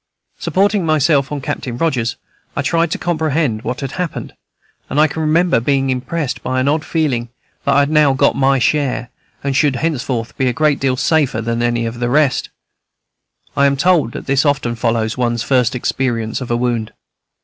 Supporting myself on Captain Rogers, I tried to comprehend what had happened, and I remember being impressed by an odd feeling that I had now got my share, and should henceforth be a great deal safer than any of the rest. I am told that this often follows one's first experience of a wound.